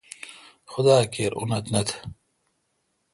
خدا اکیر اونتھ نہ تھ۔